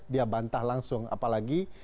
dia bantah langsung apalagi